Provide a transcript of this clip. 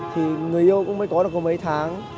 thì người yêu cũng mới có được mấy tháng